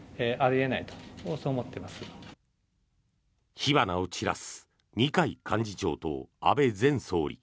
火花を散らす二階幹事長と安倍前総理。